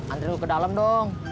anterin gue ke dalam dong